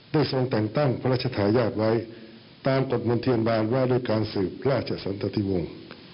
ทรงแต่งตั้งพระราชทายาทไว้ตามกฎมนเทียนบานว่าด้วยการสืบราชสันตติวงศ์